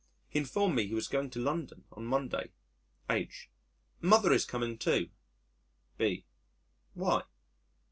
He informed me he was going to London on Monday. H.: "Mother is coming too." B.: "Why?"